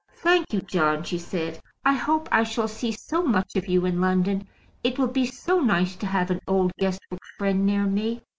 "Thank you, John," she said; "I hope I shall see so much of you in London. It will be so nice to have an old Guestwick friend near me."